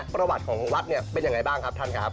ประวัติของวัดเป็นอย่างไรบ้างครับท่านครับ